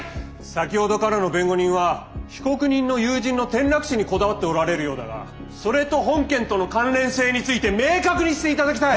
先ほどからの弁護人は被告人の友人の転落死にこだわっておられるようだがそれと本件との関連性について明確にしていただきたい。